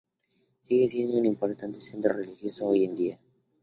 Sigue siendo un importante centro religioso hoy en día.